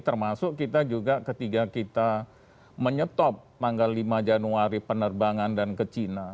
termasuk kita juga ketika kita menyetop tanggal lima januari penerbangan dan ke cina